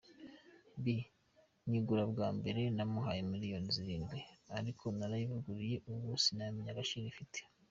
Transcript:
B: Nyigura bwa mbere namuhaye miliyoni zirindwi, ariko narayivuguruye, ubu sinamenya agaciro ifite.